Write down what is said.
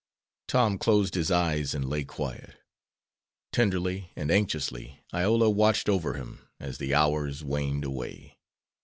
Tom closed his eyes and lay quiet. Tenderly and anxiously Iola watched over him as the hours waned away.